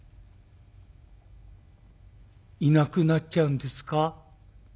「いなくなっちゃうんですか？」。